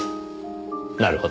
なるほど。